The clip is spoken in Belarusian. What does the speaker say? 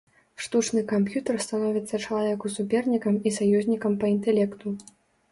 Штучны камп'ютар становіцца чалавеку супернікам і саюзнікам па інтэлекту.